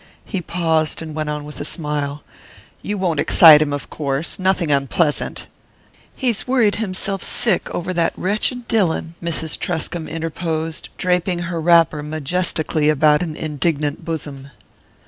He paused, and went on with a smile: "You won't excite him, of course nothing unpleasant " "He's worried himself sick over that wretched Dillon," Mrs. Truscomb interposed, draping her wrapper majestically about an indignant bosom.